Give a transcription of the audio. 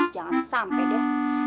jangan sampe deh